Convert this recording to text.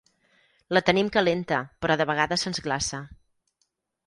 La tenim calenta però de vegades se'ns glaça.